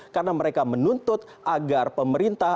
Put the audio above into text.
karena mereka menuntut agar pemerintah